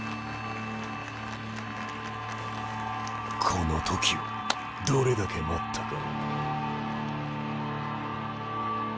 この時をどれだけ待ったか。